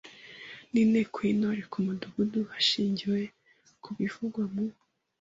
n’Inteko y’Intore ku Mudugudu hashingiwe ku bivugwa mu